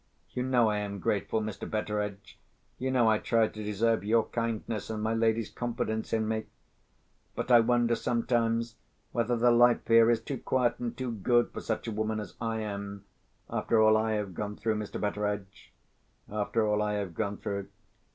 You know I am grateful, Mr. Betteredge—you know I try to deserve your kindness, and my lady's confidence in me. But I wonder sometimes whether the life here is too quiet and too good for such a woman as I am, after all I have gone through, Mr. Betteredge—after all I have gone through.